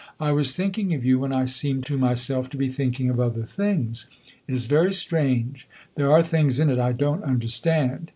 I was thinking of you when I seemed to myself to be thinking of other things. It is very strange there are things in it I don't understand.